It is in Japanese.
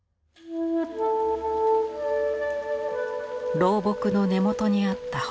老木の根元にあった洞。